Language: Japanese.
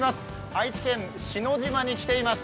愛知県篠島に来ています。